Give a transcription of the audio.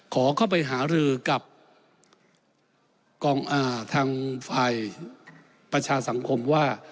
ขอเข้าไปหารือกับกองทางฝ่ายประชาสังคมว่า